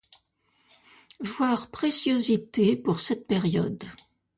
Voir Préciosité pour cette période.